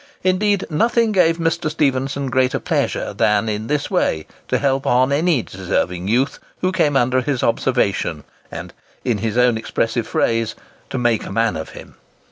Indeed, nothing gave Mr. Stephenson greater pleasure than in this way to help on any deserving youth who came under his observation, and, in his own expressive phrase, to "make a man of him."